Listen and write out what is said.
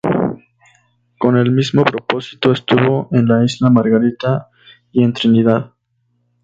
Con el mismo propósito estuvo en Isla Margarita y en Trinidad.